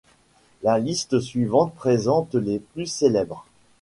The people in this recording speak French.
La liste suivante présente les plus célèbres.